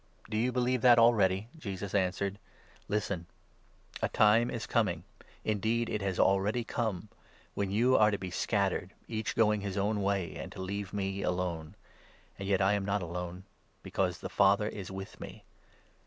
" Do you believe that already ?" Jesus answered. " Listen ! 31, 32 a time is coming — indeed it has already come — when you are to be scattered, each going his own way, and to leave me alone ; and yet I am not alone, because the Father is with me.